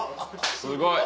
すごい。